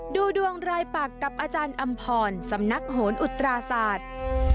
ดูดวงรายปักกับอาจารย์อำพรสำนักโหนอุตราศาสตร์